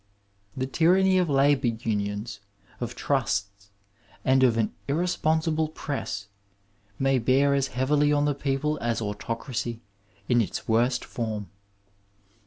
The tyranny of labour unions, of trusts, and of an irresponsible press may bear as heavily on the people as autocracy in its worst form.